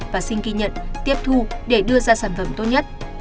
và xin ghi nhận tiếp thu để đưa ra sản phẩm tốt nhất